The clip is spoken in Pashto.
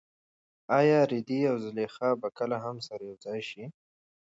ایا رېدی او زلیخا به کله هم سره یوځای شي؟